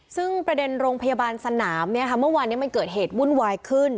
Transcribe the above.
ซึ่งประเด็นโรงพยาบาลสนามเมื่อวานนี้มันเกิดเหตุวุ่นวายขึ้น